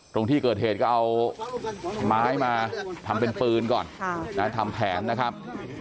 ตรงที่เกิดเหตุก็เอาไม้มาทำเป็นปืนก่อนทำแผนนะครับ